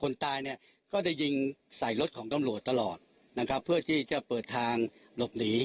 คนตายเนี่ยก็ได้ยิงใส่รถของตำรวจตลอดนะครับเพื่อที่จะเปิดทางหลบหนี